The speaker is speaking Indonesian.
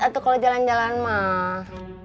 atau kalau jalan jalan mah